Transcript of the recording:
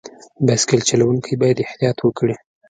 بایسکل چلوونکي باید احتیاط وکړي.